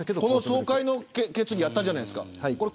この総会の決議あったじゃないですか。